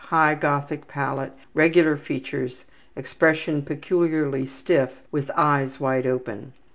High Gothic palate. Regular features. Expression peculiarly stiff with eyes wide open.